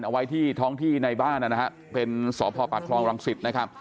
เอาไว้ที่ท้องที่ในบ้านนะฮะเป็นสพปากคลองรังสิตนะครับ